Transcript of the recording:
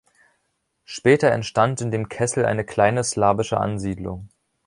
Später entstand in dem Kessel eine kleine slawische Ansiedlung.